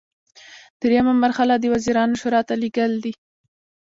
دریمه مرحله د وزیرانو شورا ته لیږل دي.